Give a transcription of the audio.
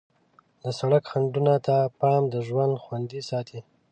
د سړک خنډونو ته پام د ژوند خوندي ساتي.